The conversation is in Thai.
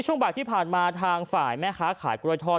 ช่วงบ่ายที่ผ่านมาทางฝ่ายแม่ค้าขายกล้วยทอด